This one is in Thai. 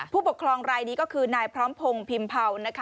ผู้ปกครองรายนี้ก็คือนายพร้อมพงศ์พิมเผานะคะ